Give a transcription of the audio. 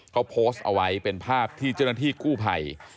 เขาโพสต์เอาไว้เป็นภาพที่เจ้าหน้าที่กู้ภัย